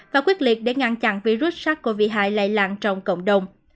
và quyết liệt để ngăn chặn virus sars cov hai lây lan trong cộng đồng